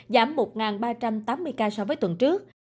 giảm một ba trăm tám mươi ca so với tuần trước